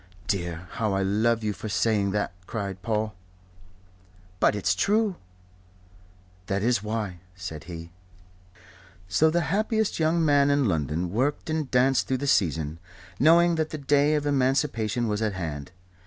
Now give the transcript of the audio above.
"Dear, how I love you for saying that!" cried Paul. "But it's true." "That is why," said he. So the happiest young man in London worked and danced through the season, knowing that the day of emancipation was at hand.